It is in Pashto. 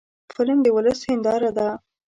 فلم د ولس هنداره ده